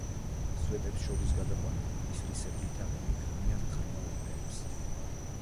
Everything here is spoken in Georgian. სვეტებს შორის გადაყვანილი ისრისებრი თაღები ქმნიან ღრმა უბეებს.